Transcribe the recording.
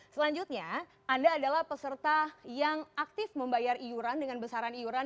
selanjutnya anda adalah peserta yang aktif membayar iuran dengan besaran iuran